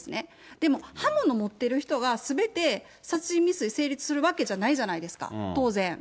でも刃物持ってる人が、すべて殺人未遂成立するわけじゃないわけじゃないですか、当然。